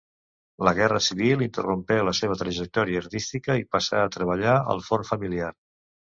La guerra civil interrompé la seva trajectòria artística i passà a treballar al forn familiar.